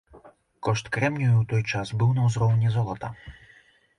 Кошт крэмнію ў той час быў на ўзроўні золата.